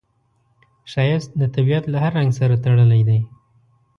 ښایست د طبیعت له هر رنګ سره تړلی دی